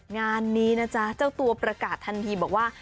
งานนี้นะจ๊ะเจ้าตัวประกาศทันทีบอกว่า